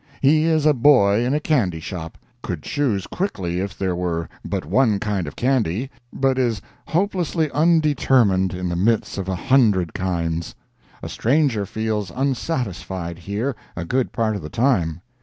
He is a boy in a candy shop—could choose quickly if there were but one kind of candy, but is hopelessly undetermined in the midst of a hundred kinds. A stranger feels unsatisfied, here, a good part of the time.